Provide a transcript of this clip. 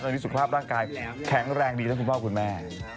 ตอนนี้สุขภาพร่างกายแข็งแรงดีนะคุณพ่อคุณแม่